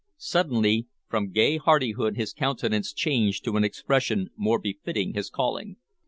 Suddenly, from gay hardihood his countenance changed to an expression more befitting his calling.